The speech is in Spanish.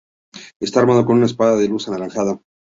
Está armado con una espada de luz anaranjada.